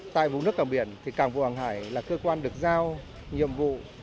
tại vùng nước cảng biển cảng vụ hoàng hải là cơ quan được giao nhiệm vụ